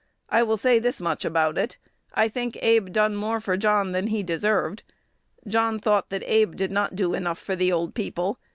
"I will say this much about it. I think Abe done more for John than he deserved. John thought that Abe did not do enough for the old people.